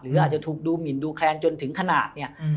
อาจจะถูกดูหมินดูแคลนจนถึงขนาดเนี่ย